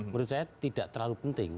menurut saya tidak terlalu penting